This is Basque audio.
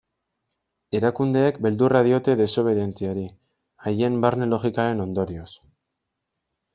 Erakundeek beldurra diote desobeditzeari, haien barne logikaren ondorioz.